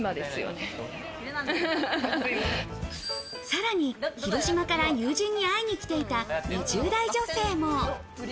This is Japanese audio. さらに広島から友人に会いに来ていた２０代女性も。